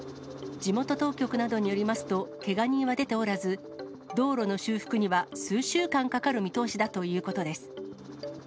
地元当局などによりますと、けが人は出ておらず、道路の修復には数週間かかる見通しだということです。